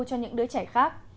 cho những đứa trẻ khác